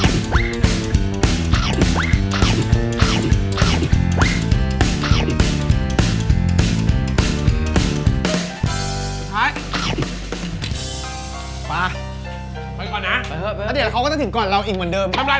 ไปก่อนนะแล้วเดี๋ยวเขาก็จะถึงก่อนเราอีกเหมือนเดิม